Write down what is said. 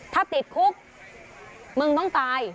ถ้าติดคุกมึงต้องตาย